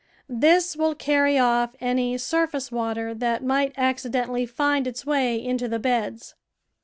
This will carry off any sur face water that might accidentally find its way into the beds.